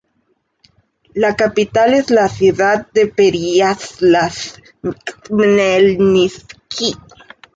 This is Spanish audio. La capital es la ciudad de Pereiáslav-Khmelnytskyi.